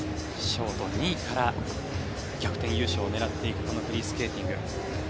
ショート２位から逆転優勝を狙っていくこのフリースケーティング。